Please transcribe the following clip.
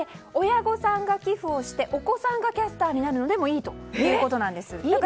親御さんが寄付をしてお子さんがキャスターになるのでもいいということです。